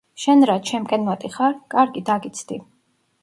შენ რა, ჩემკენ მოდიხარ? კარგი დაგიცდი.